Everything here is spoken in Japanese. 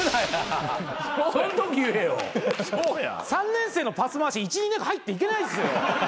３年生のパス回し１２年入っていけないっすよ。